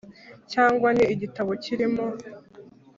cyangwa ni igitabo kirimo